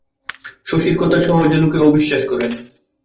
শশীর কথা সহজে লোকে অবিশ্বাস করে না।